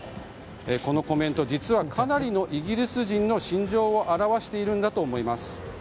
このコメント実はかなりのイギリス人の心情を表しているんだろ思います。